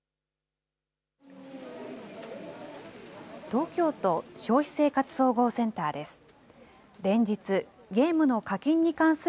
東京都消費生活総合センターです。